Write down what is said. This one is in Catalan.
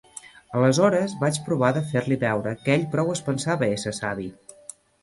Aleshores vaig provar de fer-li veure que ell prou es pensava ésser savi.